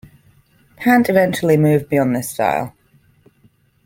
Pant eventually moved beyond this style.